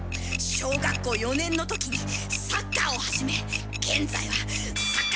小学校４年のときにサッカーを始め現在はサッカー。